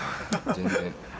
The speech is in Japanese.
全然。